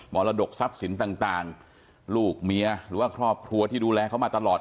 รดกทรัพย์สินต่างลูกเมียหรือว่าครอบครัวที่ดูแลเขามาตลอด